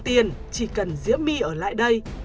tiền chỉ cần diễm my ở lại đây